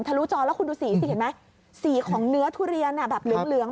ลุจอแล้วคุณดูสีสิเห็นไหมสีของเนื้อทุเรียนแบบเหลือง